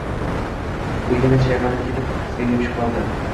U yana chayqalib ketib qizga yopishib qoldi